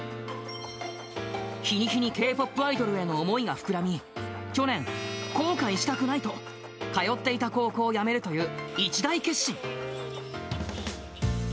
日に日にＫ−ＰＯＰアイドルへの思いが膨らみ、去年、後悔したくないと、通っていた高校を辞めるという一大決心。